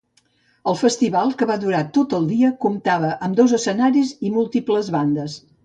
El festival, que va durar tot el dia, comptava amb dos escenaris i múltiples bandes.